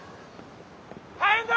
大変だ！